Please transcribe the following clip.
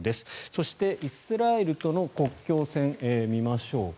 そして、イスラエルとの国境線を見ましょうか。